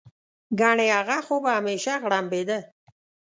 ګنې هغه خو به همېشه غړمبېده.